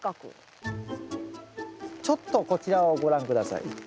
ちょっとこちらをご覧下さい。